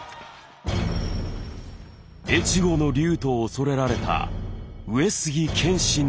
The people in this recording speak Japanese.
「越後の龍」と恐れられた上杉謙信である。